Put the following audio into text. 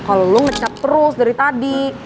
kalo lo ngecap terus dari tadi